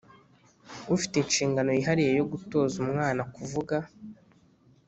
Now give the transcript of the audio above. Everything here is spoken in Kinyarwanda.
ufite inshingano yihariye yo gutoza umwana kuvuga